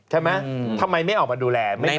ใช่ไหมทำไมไม่ออกมาดูแล